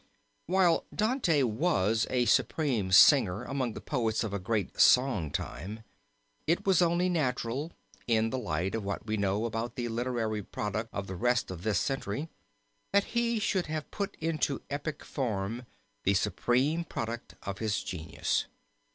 While Dante was a supreme singer among the poets of a great song time, it was only natural, in the light of what we know about the literary product of the rest of this century, that he should have put into epic form the supreme product of his genius.